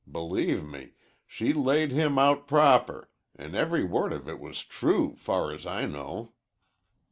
Believe me, she laid him out proper, an' every word of it was true, 'far as I know.